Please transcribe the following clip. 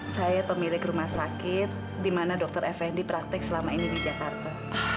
saya pemilik rumah sakit di mana dr effendi praktek selama ini di jakarta